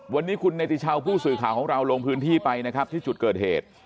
วันนี้คุณเนติชาวผู้สื่อข่าวของเราลงพื้นที่ไปนะครับที่จุดเกิดเหตุ